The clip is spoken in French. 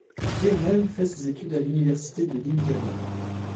Kirlew fait ses études à l'université de l'Indiana.